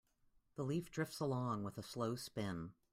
The leaf drifts along with a slow spin.